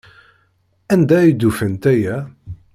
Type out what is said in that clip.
Anda ay d-ufant aya?